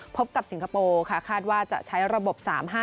พบกับสิงคโปร์ค่ะคาดว่าจะใช้ระบบ๓๕